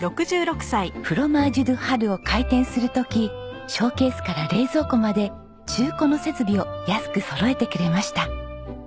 ｆｒｏｍａｇｅｄｅＨＡＲＵを開店する時ショーケースから冷蔵庫まで中古の設備を安くそろえてくれました。